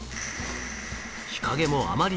日陰もあまり